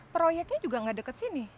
proyeknya juga nggak deket sini